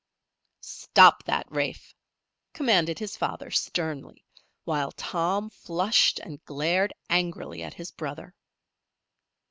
"Stop that, Rafe!" commanded his father, sternly, while Tom flushed and glared angrily at his brother.